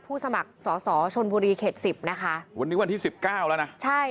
สมัครสอสอชนบุรีเขตสิบนะคะวันนี้วันที่สิบเก้าแล้วนะใช่